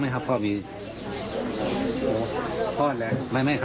มีเยอะกันแต่ไม่เยอะ